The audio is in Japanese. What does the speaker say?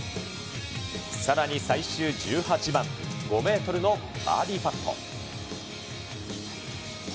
さらに最終１８番、５メートルのバーディーパット。